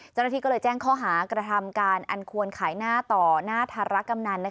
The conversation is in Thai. เจ้าหน้าที่ก็เลยแจ้งข้อหากระทำการอันควรขายหน้าต่อหน้าธารกำนัน